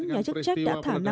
nhà chức trách đã thông báo